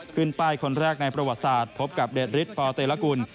ขึ้นป้ายคนแรกในประวัติศาสตร์พบกับเดชฤทธปเตรกุล